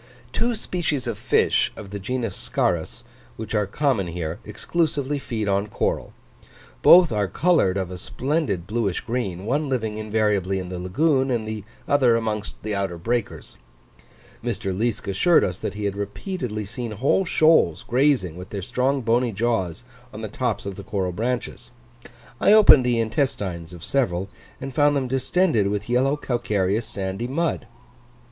Two species of fish, of the genus Scarus, which are common here, exclusively feed on coral: both are coloured of a splendid bluish green, one living invariably in the lagoon, and the other amongst the outer breakers. Mr. Liesk assured us, that he had repeatedly seen whole shoals grazing with their strong bony jaws on the tops of the coral branches: I opened the intestines of several, and found them distended with yellowish calcareous sandy mud.